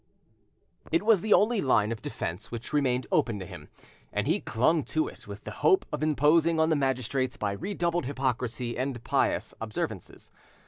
It was the only line of defence which remained open to him, and he clung to it, with the hope of imposing on the magistrates by redoubled hypocrisy and pious observances.